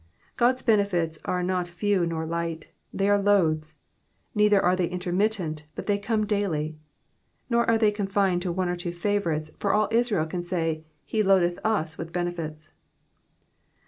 God*s benefits aic nH few Dor ligJit, tuey are ioadt ; neither are tb*y inlennittent, but they CTfne *' dai y ; nor arc ihey con^ned to one or two favonrites, for all Israel can *ay, he loaueto ta with benebts."